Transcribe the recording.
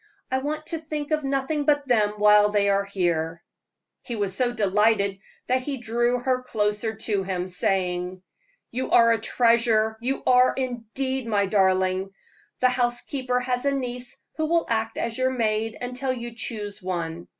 I want to think of nothing but them while they are here." He was so delighted that he drew her closer to him, saying: "You are a treasure you are, indeed, my darling. The housekeeper has a niece who will act as your maid until you choose one.